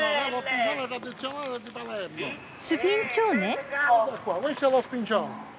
スフィンチョーネ？